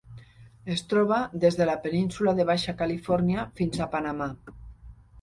Es troba des de la Península de Baixa Califòrnia fins a Panamà.